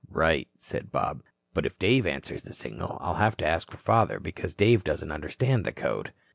"Right," said Bob. "But if Dave answers the signal, I'll have to ask for father, because Dave doesn't understand the code."